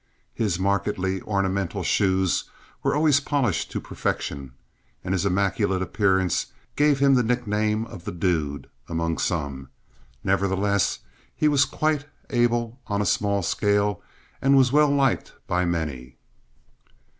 His markedly ornamental shoes were always polished to perfection, and his immaculate appearance gave him the nickname of "The Dude" among some. Nevertheless he was quite able on a small scale, and was well liked by many.